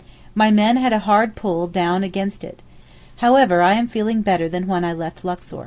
My poor men had a hard pull down against it. However I am feeling better than when I left Luxor.